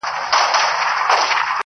له هر یوه سره د غلو ډلي غدۍ وې دلته!.